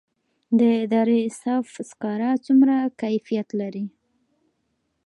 د دره صوف سکاره څومره کیفیت لري؟